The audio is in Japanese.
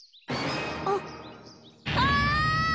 あっあ！